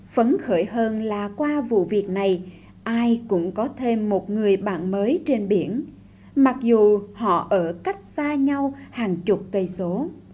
phấn khởi hơn là qua vụ việc này ai cũng có thêm một người bạn mới trên biển mặc dù họ ở cách xa nhau hàng chục cây số